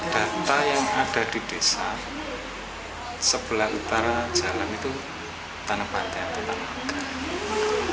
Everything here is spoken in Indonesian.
data yang ada di desa sebelah utara jalan itu tanah pantai atau tanah